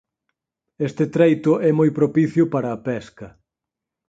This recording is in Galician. Este treito é moi propicio para á pesca.